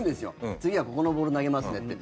次はここのボール投げますって。